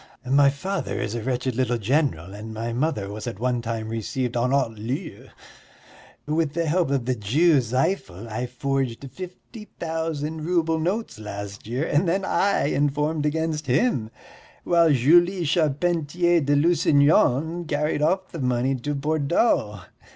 My father is a wretched little general, and my mother was at one time received en haut lieu. With the help of the Jew Zifel I forged fifty thousand rouble notes last year and then I informed against him, while Julie Charpentier de Lusignan carried off the money to Bordeaux.